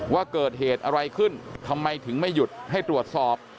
ว่าเกิดเหตุอะไรขึ้นทำไมถึงไม่หยุดให้ตรวจสอบ